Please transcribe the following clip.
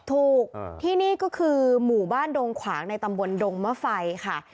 ถูกที่นี่ก็คือหมู่บ้านดงขวางในตำบลดงมะไฟค่ะ